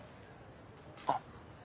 あっ。